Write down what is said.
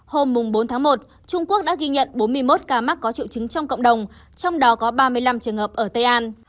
hôm bốn tháng một trung quốc đã ghi nhận bốn mươi một ca mắc có triệu chứng trong cộng đồng trong đó có ba mươi năm trường hợp ở tây an